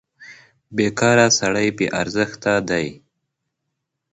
بېکاره سړی بې ارزښته دی.